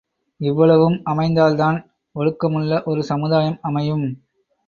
இவ்வளவும் அமைந்தால்தான் ஒழுக்கமுள்ள ஒரு சமுதாயம் அமையும்.